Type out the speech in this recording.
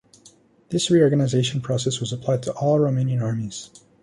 This reorganization process was applied to all Romanian armies.